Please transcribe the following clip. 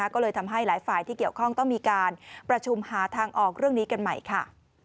ก็เลยทำให้หลายฝ่ายที่เกี่ยวข้องต้องมีการประชุมหาทางออกเรื่องนี้กันใหม่ค่ะ